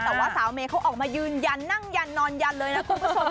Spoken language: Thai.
แต่ว่าสาวเมย์เขาออกมายืนยันนั่งยันนอนยันเลยนะคุณผู้ชม